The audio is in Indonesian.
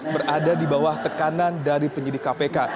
berada di bawah tekanan dari penyidik kpk